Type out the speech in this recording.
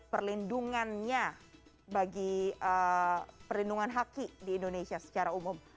perlindungannya bagi perlindungan haki di indonesia secara umum